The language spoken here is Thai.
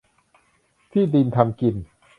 ที่ดินทำกิน